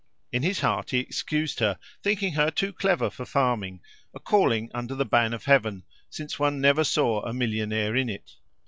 In his heart he excused her, thinking her too clever for farming, a calling under the ban of Heaven, since one never saw a millionaire in it.